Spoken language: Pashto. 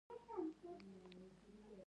پیشو مې په ځیر ځان پاکوي.